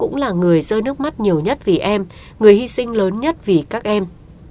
phi nhung là người rơi nước mắt nhiều nhất vì em người hy sinh lớn nhất vì các em